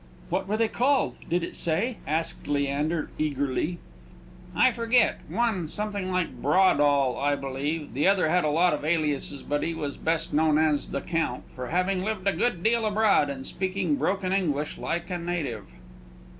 "What were they called? Did it say?" asked Leander, eagerly. "I forget one something like Bradawl, I believe; the other had a lot of aliases, but he was best known as the 'Count,' from having lived a good deal abroad, and speaking broken English like a native."